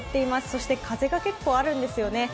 そして風が結構あるんですよね。